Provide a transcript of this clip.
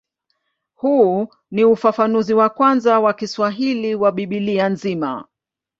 Huu ni ufafanuzi wa kwanza wa Kiswahili wa Biblia nzima.